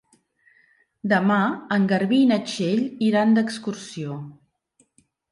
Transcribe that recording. Demà en Garbí i na Txell iran d'excursió.